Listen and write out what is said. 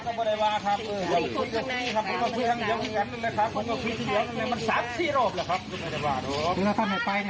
ถ้าท่านไม่ไปผมก็จะแจ้งความเร็วดีนะ